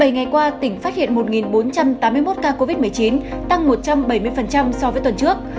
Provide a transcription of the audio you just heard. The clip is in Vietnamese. bảy ngày qua tỉnh phát hiện một bốn trăm tám mươi một ca covid một mươi chín tăng một trăm bảy mươi so với tuần trước